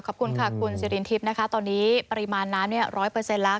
ขอบคุณค่ะคุณศิรินทร์ทรีปนะคะตอนนี้ปริมาณน้ำ๑๐๐เปอร์เซ็นต์